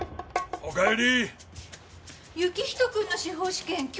おかえり。